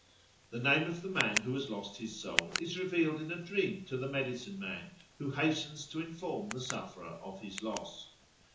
The name of the man who has lost his soul is revealed in a dream to the medicine man, who hastens to inform the sufferer of his loss.